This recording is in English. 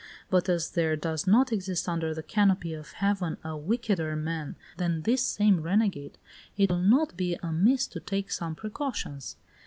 But as there does not exist under the canopy of heaven a wickeder man than this same renegade, it will not be amiss to take some precautions."